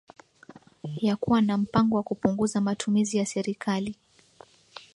ya kuwa na mpango wa kupunguza matumizi ya serikali